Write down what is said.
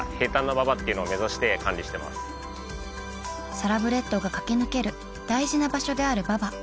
サラブレッドが駆け抜ける大事な場所である馬場